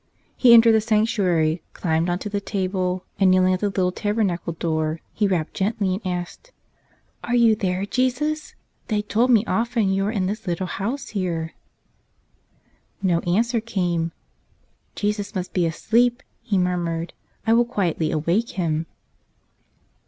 He entered the sanctuary, climbed onto the altar, and kneeling at the little tab¬ ernacle door he rapped gently and asked, "Are You there, Jesus? They told me often You are in this little house here." No answer came. "Jesus must be asleep," he mur¬ mured. "I will quietly awake Him."